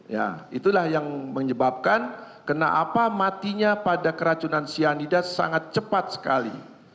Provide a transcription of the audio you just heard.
ya itulah yang menyebabkan kenapa matinya pada keracunan cyanida sangat cepat sekali